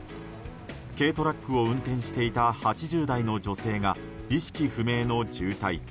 軽トラックを運転していた８０代の女性が意識不明の重体